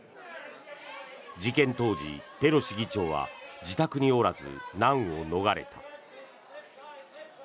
事件当時、ペロシ議長は自宅におらず、難を逃れた。